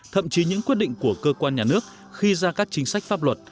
thậm chí những quyết định của cơ quan nhà nước khi ra các chính sách pháp luật